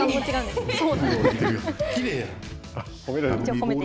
きれいやん。